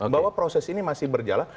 bahwa proses ini masih berjalan